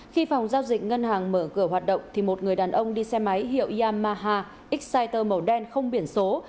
khi phòng giao dịch ngân hàng mở cửa hoạt động thì một người đàn ông đi xe máy hiệu yamaha exciter màu đen không biển số